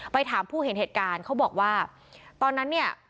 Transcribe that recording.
ถามผู้เห็นเหตุการณ์เขาบอกว่าตอนนั้นเนี่ย